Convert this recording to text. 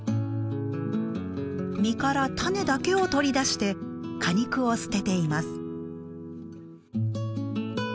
実から種だけを取り出して果肉を捨てています。